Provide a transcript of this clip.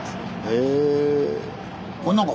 へえ。